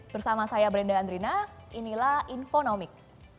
bersama saya brenda andrina inilah infonomik